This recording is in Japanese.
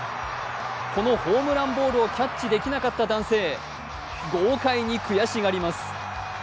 このホームランボールをキャッチできなかった男性、豪快に悔しがります。